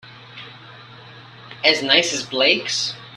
As nice as Blake's?